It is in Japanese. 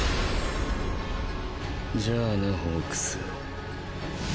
じゃあなホークス。